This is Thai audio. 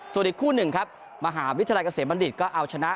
ส่วนอีกคู่หนึ่งครับมหาวิทยาลัยเกษมบัณฑิตก็เอาชนะ